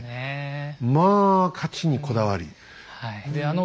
まあ勝ちにこだわり。